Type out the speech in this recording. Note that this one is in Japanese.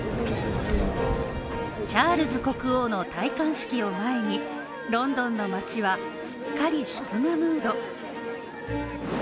チャールズ国王の戴冠式を前にロンドンの街はすっかり祝賀ムード。